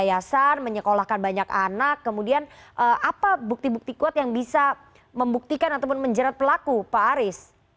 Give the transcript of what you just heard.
yayasan menyekolahkan banyak anak kemudian apa bukti bukti kuat yang bisa membuktikan ataupun menjerat pelaku pak aris